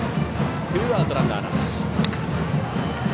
ツーアウト、ランナーなし。